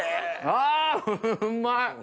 あうまい！